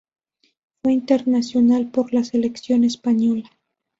Fue internacional por la selección española.